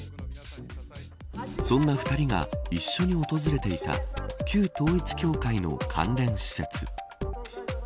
そんな２人が一緒に訪れていた旧統一教会の関連施設。